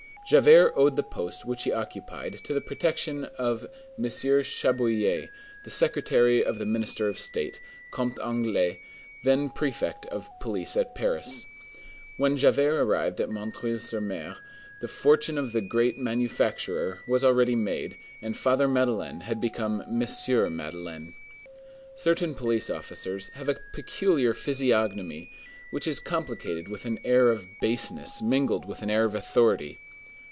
Javert owed the post which he occupied to the protection of M. Chabouillet, the secretary of the Minister of State, Comte Anglès, then prefect of police at Paris. When Javert arrived at M. sur M. the fortune of the great manufacturer was already made, and Father Madeleine had become Monsieur Madeleine. Certain police officers have a peculiar physiognomy, which is complicated with an air of baseness mingled with an air of authority.